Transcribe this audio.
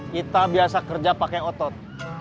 kita biasa kerja pakai otot